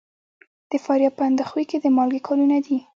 د فاریاب په اندخوی کې د مالګې کانونه دي.